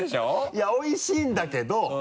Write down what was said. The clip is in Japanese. いやおいしいんだけど。